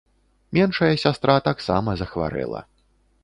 Меншая сястра таксама захварэла.